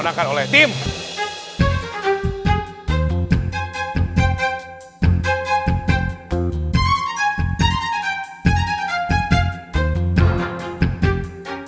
untuk juara pertama